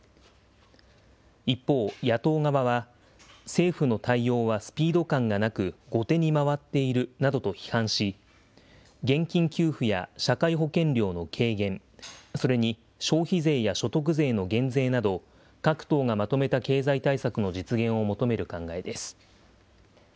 一方、野党側は、政府の対応はスピード感がなく、後手に回っているなどと批判し、現金給付や社会保険料の軽減、それに消費税や所得税の減税など、各党がまとめた経済対策の実現を求める考えです。